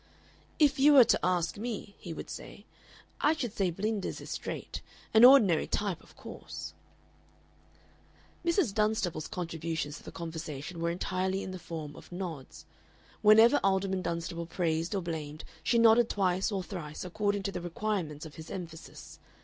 "If you were to ask me," he would say, "I should say Blinders is straight. An ordinary type, of course " Mrs. Dunstable's contributions to the conversation were entirely in the form of nods; whenever Alderman Dunstable praised or blamed she nodded twice or thrice, according to the requirements of his emphasis.